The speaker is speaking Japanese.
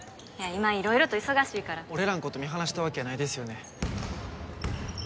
今色々と忙しいから俺らのこと見放したわけやないですよね？